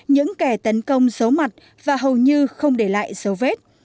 những kẻ tấn công dấu mặt và hầu như không để lại dấu vết